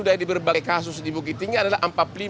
dari berbagai kasus di bukit tinggi adalah ampap libur